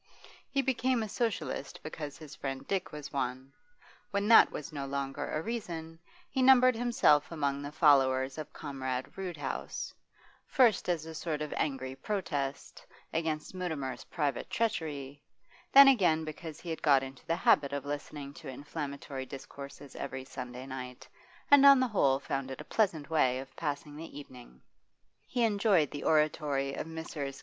He became a Socialist because his friend Dick was one; when that was no longer a reason, he numbered himself among the followers of Comrade Roodhouse first as a sort of angry protest, against Mutimer's private treachery, then again because he had got into the habit of listening to inflammatory discourses every Sunday night, and on the whole found it a pleasant way of passing the evening. He enjoyed the oratory of Messrs.